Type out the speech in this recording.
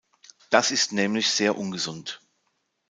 Das ist nämlich sehr ungesund.